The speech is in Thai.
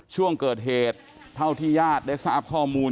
ช่วงเกิดเหตุเท่าที่ญาติได้ทราบข้อมูล